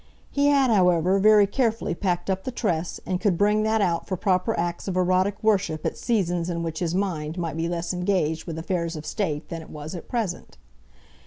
He had, however, very carefully packed up the tress, and could bring that out for proper acts of erotic worship at seasons in which his mind might be less engaged with affairs of state than it was at present.